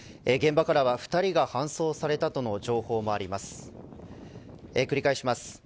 現場からは２人が搬送されたとの情報もあります。